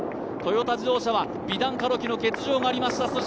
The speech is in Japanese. トヨタ自動車はビダン・カロキの欠場がありました。